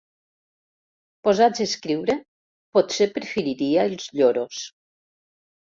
Posats a escriure, potser preferiria els lloros.